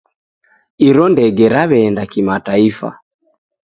Iro ndege raweenda kimataifa.